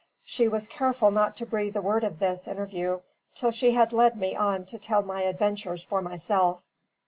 She was careful not to breathe a word of this interview, till she had led me on to tell my adventures for myself.